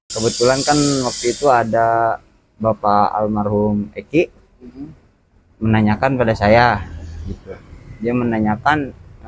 kebetulan kan waktu itu ada bapak almarhum eki menanyakan pada saya dia menanyakan